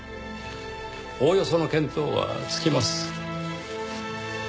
おおよその見当はつきます。